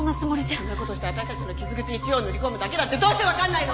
こんなことして私たちの傷口に塩を塗り込むだけだってどうしてわかんないの！？